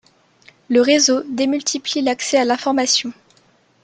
Le réseau démultiplie l'accès à l'information.